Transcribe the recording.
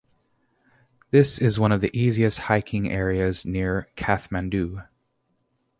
This is one of the easiest hiking areas near Kathmandu.